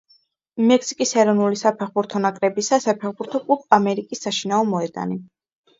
მექსიკის ეროვნული საფეხბურთო ნაკრებისა საფეხბურთო კლუბ „ამერიკის“ საშინაო მოედანი.